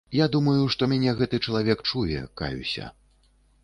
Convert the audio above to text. Я думаю, што мяне гэты чалавек чуе, каюся.